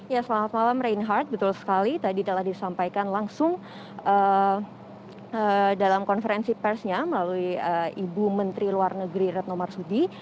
ya selamat malam reinhardt betul sekali tadi telah disampaikan langsung dalam konferensi persnya melalui ibu menteri luar negeri retno marsudi